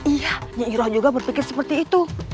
iya iroh juga berpikir seperti itu